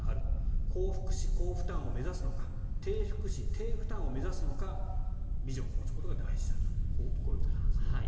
高福祉・高負担を目指すのか低福祉・低負担を目指すのかビジョンを持つことが大事だとこういうことなんですね。